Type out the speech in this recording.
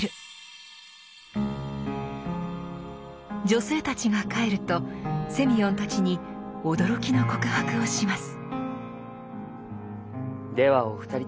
女性たちが帰るとセミヨンたちに驚きの告白をします。